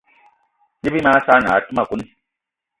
Ne bí mag saanì aa té ma kone.